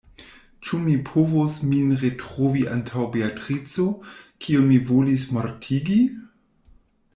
Ĉu mi povos min retrovi antaŭ Beatrico, kiun mi volis mortigi?